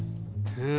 へえ。